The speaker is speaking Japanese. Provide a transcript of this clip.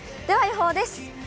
では予報です。